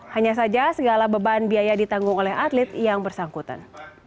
hanya saja segala beban biaya ditanggung oleh atlet yang bersangkutan